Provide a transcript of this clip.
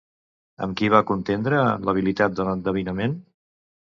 Amb qui va contendre en l'habilitat de l'endevinament?